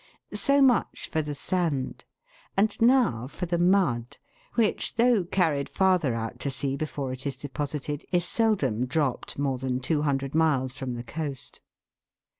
So much for the sand ; and now for the mud, which, though carried farther out to sea before it is deposited, is seldom dropped more than two hundred miles from the coast.